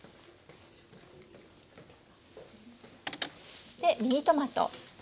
そしてミニトマト。